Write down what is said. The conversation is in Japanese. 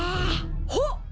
ほっ！